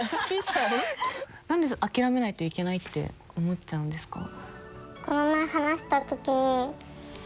何で諦めないといけないって思っちゃうんですか？